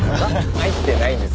入ってないです。